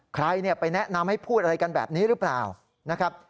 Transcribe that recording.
ใครไปแนะนำให้พูดอะไรกันแบบนี้หรือเปล่านะครับ